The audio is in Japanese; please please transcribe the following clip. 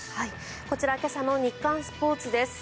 こちら今朝の日刊スポーツです。